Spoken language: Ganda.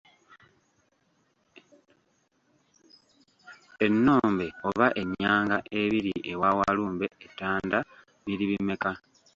Ennombe oba ennyanga ebiri ewa Walumbe e Ttanda biri bimeka?